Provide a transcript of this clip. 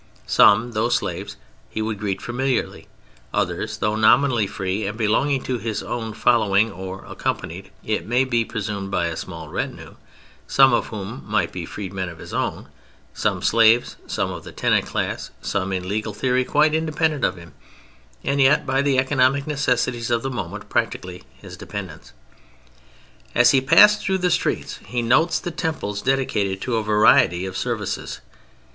Some, though slaves, he would greet familiarly; others, though nominally free and belonging to his own following or to that of some friend, he would regard with less attention. He would be accompanied, it may be presumed, by a small retinue, some of whom might be freed men of his own, some slaves, some of the tenant class, some in legal theory quite independent of him, and yet by the economic necessities of the moment practically his dependents. As he passes through the streets he notes the temples dedicated to a variety of services.